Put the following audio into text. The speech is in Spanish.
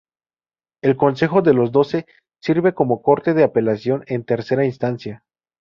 El Consejo de los Doce sirve como corte de apelación en tercera instancia.